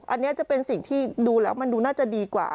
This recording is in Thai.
อันนี้จะเป็นสิ่งที่ดูแล้วมันดูน่าจะดีกว่า